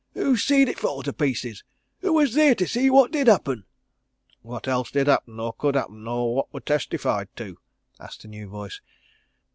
Who see'd it fall to pieces? Who was theer to see what did happen?" "What else did happen or could happen nor what were testified to?" asked a new voice.